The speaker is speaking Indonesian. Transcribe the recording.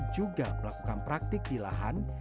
juga melakukan praktik di lahan